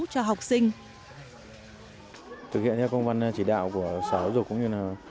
cho học sinh